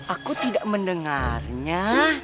aku tidak mendengarnya